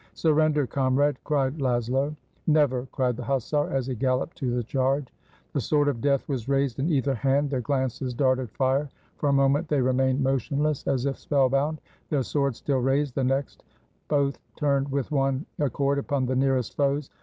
"Surrender, comrade!" cried Laszlo. "Never!" cried the hussar, as he galloped to the charge. The sword of death was raised in either hand, their glances darted fire ; for a moment they remained motion less, as if spellbound, their swords still raised — the next both turned with one accord upon the nearest foes.